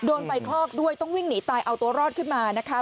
โดนไฟคลอกด้วยต้องวิ่งหนีตายเอาตัวรอดขึ้นมานะคะ